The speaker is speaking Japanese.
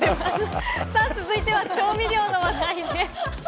続いては調味料の話題です。